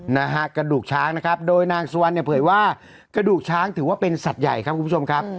นะฮะกระดูกช้างนะครับโดยนางสุวรรณเนี่ยเผยว่ากระดูกช้างถือว่าเป็นสัตว์ใหญ่ครับคุณผู้ชมครับ